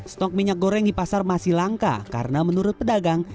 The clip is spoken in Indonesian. stok minyak goreng di pasar masih langka karena menurut pedagang